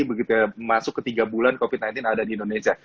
begitu masuk ke tiga bulan covid sembilan belas ada di indonesia